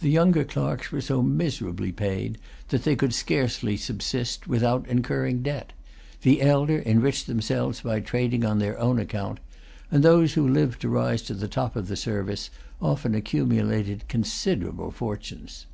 The younger clerks were so miserably paid that they could scarcely subsist without incurring debt; the elder enriched themselves by trading on their own account; and those who lived to rise to the top of the service often accumulated considerable fortunes.